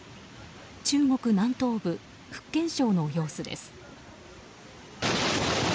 中国南東部、福建省の様子です。